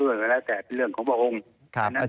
ชัดเจนที่อาจารย์ย้ำก็คือเรื่องของลำดับขั้นตอน